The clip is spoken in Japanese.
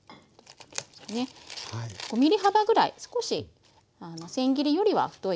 ５ｍｍ幅ぐらい少し千切りよりは太い感じですかね。